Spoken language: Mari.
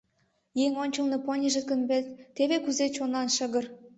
Еҥ ончылно поньыжыт гын, вет теве кузе чонлан шыгыр.